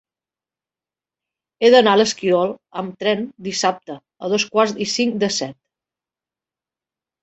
He d'anar a l'Esquirol amb tren dissabte a dos quarts i cinc de set.